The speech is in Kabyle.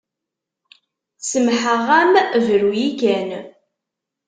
Semmḥeɣ-am bru-yi kan.